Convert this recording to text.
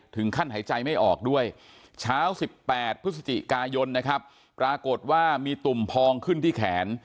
หายใจไม่ออกด้วยเช้า๑๘พฤศจิกายนนะครับปรากฏว่ามีตุ่มพองขึ้นที่แขน